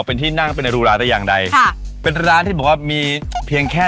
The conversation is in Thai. เป็นที่นั่งเป็นในรูราได้อย่างใดค่ะเป็นร้านที่บอกว่ามีเพียงแค่